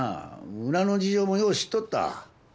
村の事情もよう知っとった。